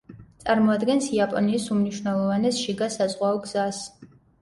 წარმოადგენს იაპონიის უმნიშვნელოვანეს შიგა საზღვაო გზას.